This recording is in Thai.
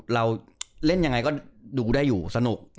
เราเล่นยังไงก็ดูได้อยู่สนุก